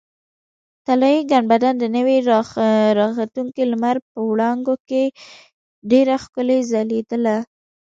طلایي ګنبده د نوي راختونکي لمر په وړانګو کې ډېره ښکلې ځلېدله.